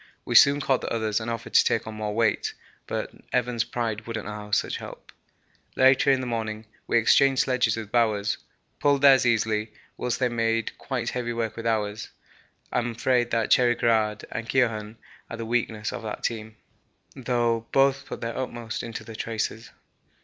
We soon caught the others and offered to take on more weight, but Evans' pride wouldn't allow such help. Later in the morning we exchanged sledges with Bowers, pulled theirs easily, whilst they made quite heavy work with ours. I am afraid Cherry Garrard and Keohane are the weakness of that team, though both put their utmost into the traces.